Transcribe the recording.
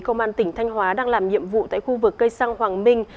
công an tỉnh thanh hóa đang làm nhiệm vụ tại khu vực cây xăng hoàng minh